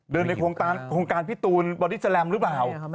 เดินในโครงการพิตูรบอดิสเซอร์แรมหรือเปล่า